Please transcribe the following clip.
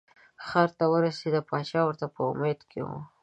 ښار ته ورسېده پاچا ورته په امید کې و.